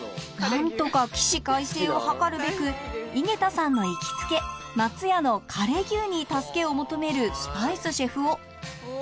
何とか起死回生を図るべく井桁さんの行きつけ松屋のカレギュウに助けを求めるスパイスシェフ男